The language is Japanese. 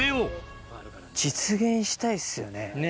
実現したいっすよね。